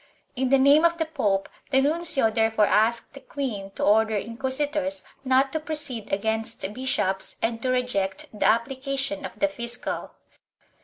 In the name of the pope the nuncio therefore asked the queen to order inquisitors not to proceed against bishops and to reject the application of the fiscal.